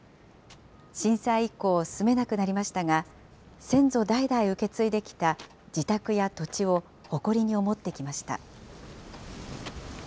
震災以降、住めなくなりましたが、先祖代々受け継いできた自宅や土地を誇りに思ってきました。